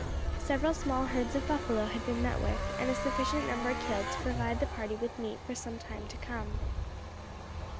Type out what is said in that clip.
Several small herds of buffalo had been met with, and a sufficient number killed to provide the party with meat for some time to come.